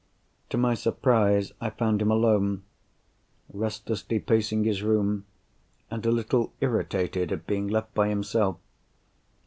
To my surprise I found him alone; restlessly pacing his room, and a little irritated at being left by himself.